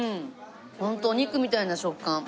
ホントお肉みたいな食感。